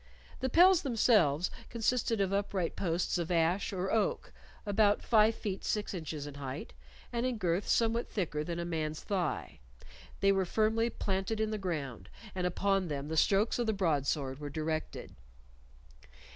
The pels themselves consisted of upright posts of ash or oak, about five feet six inches in height, and in girth somewhat thicker than a man's thigh. They were firmly planted in the ground, and upon them the strokes of the broadsword were directed.